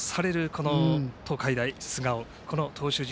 この東海大菅生、この投手陣。